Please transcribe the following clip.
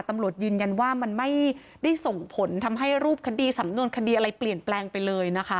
ตำรวจยืนยันว่ามันไม่ได้ส่งผลทำให้รูปคดีสำนวนคดีอะไรเปลี่ยนแปลงไปเลยนะคะ